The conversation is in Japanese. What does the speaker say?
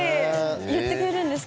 言ってくれるんですか。